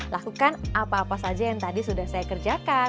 lakukan apa apa saja yang tadi sudah saya kerjakan